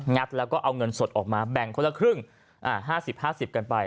แล้วก็เอาเงินสดออกมาแบ่งคนละครึ่ง๕๐๕๐กันไป